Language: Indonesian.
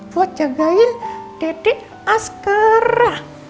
buat jagain dada asgara